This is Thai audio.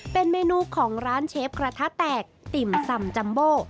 เป็นเมนูของร้านเชฟกระทะแตกติ่มส่ำจัมโบ